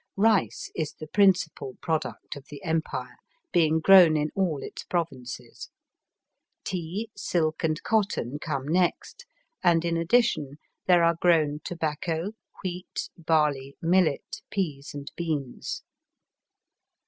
Eice is the principal product of the empire, being grown in all its provinces^ Tea, silk, and cotton come next, and, in addition, there are grown tobacco, wheat, barley, millet, peas, and beans.